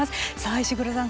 石黒さん